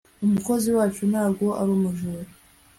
umukozi wacu ntago arumujura